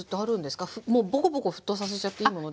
もうボコボコ沸騰させちゃっていいものですか？